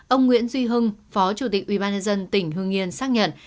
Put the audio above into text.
ông nguyễn duy hưng phó chủ tịch ubnd tỉnh hương yên xác nhận